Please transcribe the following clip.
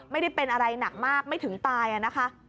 ไม่ได้เป็นอะไรหนักมากไม่ถึงตายนะคะ